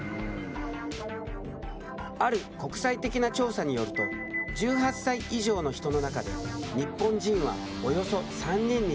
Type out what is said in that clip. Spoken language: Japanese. ある国際的な調査によると１８歳以上の人の中で日本人はおよそ３人に１人が運動不足だと